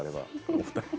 お二人。